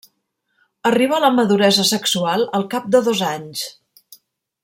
Arriba a la maduresa sexual al cap de dos anys.